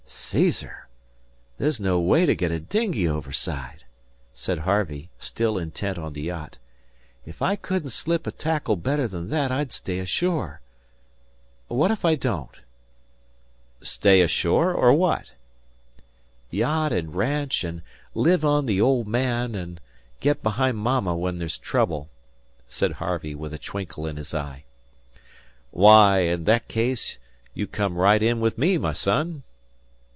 "Caesar! That's no way to get a dinghy overside," said Harvey, still intent on the yacht. "If I couldn't slip a tackle better than that I'd stay ashore. ... What if I don't?" "Stay ashore or what?" "Yacht and ranch and live on 'the old man,' and get behind Mama where there's trouble," said Harvey, with a twinkle in his eye. "Why, in that case, you come right in with me, my son."